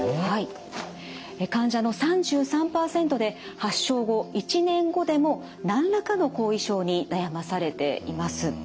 患者の３３％で発症後１年後でも何らかの後遺症に悩まされています。